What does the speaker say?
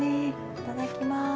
いただきます。